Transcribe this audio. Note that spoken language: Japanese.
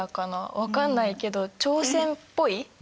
分かんないけど朝鮮っぽい。